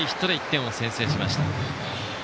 １点を先制しました。